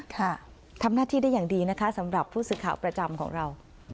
ค่ะทำหน้าที่ได้อย่างดีนะคะสำหรับผู้สื่อข่าวประจำของเรา